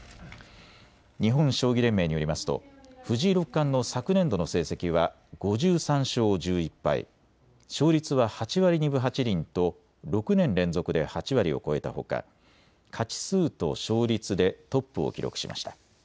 日本将棋連盟によりますと藤井六冠の昨年度の成績は５３勝１１敗、勝率は８割２分８厘と６年連続で８割を超えたほか勝ち数と勝率でトップを記録しました。